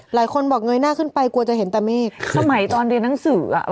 หลายคนบอกเงยหน้าขึ้นไปกลัวจะเห็นแป่นมีศ